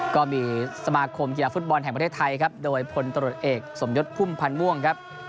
ก็มีสมาคมกีฬาฟุตบอลแห่งประเทศไทยครับโดยพลตรวจเอกสมยศพุ่มพันธ์ม่วงครับ